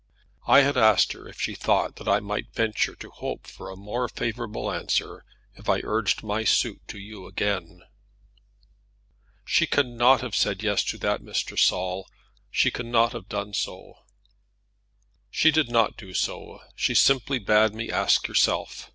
"I had asked her if she thought that I might venture to hope for a more favourable answer if I urged my suit to you again." "She cannot have said yes to that, Mr. Saul; she cannot have done so!" "She did not do so. She simply bade me ask yourself.